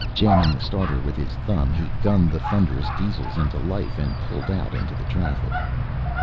Jamming the starter with his thumb he gunned the thunderous diesels into life and pulled out into the traffic.